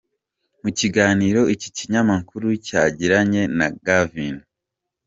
Mu kiganiro iki kinyamakuru cyagiranye na Gavin,.